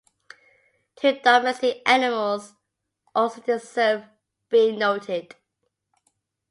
Two domestic animals also deserve being noted.